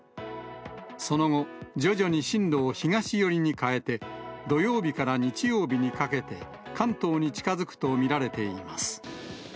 その後、徐々に進路を東寄りに変えて、土曜日から日曜日にかけて、関東に近づくと見られています。